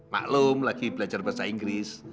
maklum lagi belajar bahasa inggris